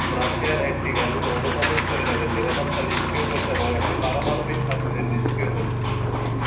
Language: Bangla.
ডম রাশিয়ার একটি ঘাঁটিতে অনুপ্রবেশ করে তাদের নিরাপত্তা নিষ্ক্রিয় করতে এবং একটি পারমাণবিক সাবমেরিন নিষ্ক্রিয় করতে।